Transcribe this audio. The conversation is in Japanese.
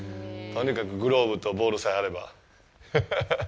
とにかく、グローブとボールさえあれば。